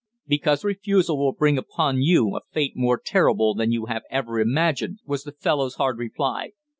"Because refusal will bring upon you a fate more terrible than you have ever imagined," was the fellow's hard reply.